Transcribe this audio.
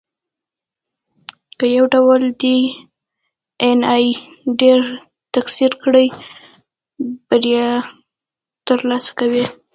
که یو ډول ډېایناې ډېره تکثر کړي، بریا ترلاسه کوي.